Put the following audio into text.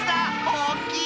おおきい！